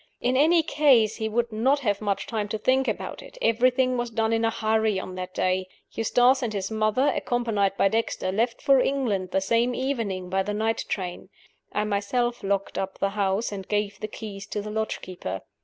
In any case, he would not have much time to think about it. Everything was done in a hurry on that day. Eustace and his mother, accompanied by Dexter, left for England the same evening by the night train. I myself locked up the house, and gave the keys to the lodge keeper.